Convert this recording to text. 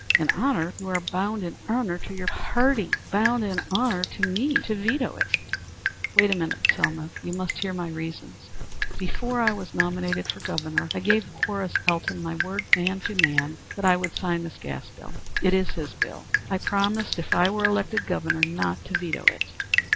"In honor? You are bound in honor to your party bound in honor to me to veto it." "Wait a minute, Selma. You must hear my reasons. Before I was nominated for Governor I gave Horace Elton my word, man to man, that I would sign this gas bill. It is his bill. I promised, if I were elected Governor, not to veto it.